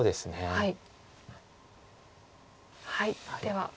はい。